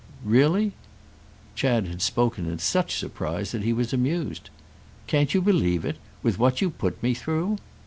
"Really?" Chad had spoken in such surprise that he was amused. "Can't you believe it?—with what you put me through?"